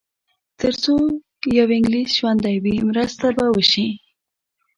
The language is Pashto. تر څو یو انګلیس ژوندی وي مرسته به وشي.